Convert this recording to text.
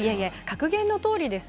格言のとおりです。